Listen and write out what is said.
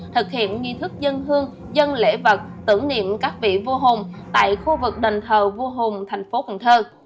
thực hiện nghi thức dân hương dân lễ vật tưởng niệm các vị vua hùng tại khu vực đền thờ vua hùng thành phố cần thơ